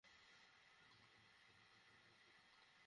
তুমি যদি সত্যবাদী হও, তবে আকাশের এক খণ্ড আমাদের উপর ফেলে দাও।